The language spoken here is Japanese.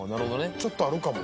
ちょっとあるかも。